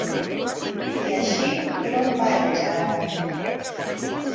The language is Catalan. I així, per on pares, ara?